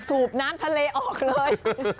สูบน้ำทะเลออกเลย